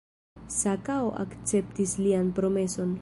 Sakao akceptis lian promeson.